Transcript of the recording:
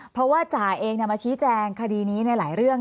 เพราะว่าจ่าเองมาชี้แจงคดีนี้ในหลายเรื่อง